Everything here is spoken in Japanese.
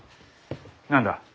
何だ？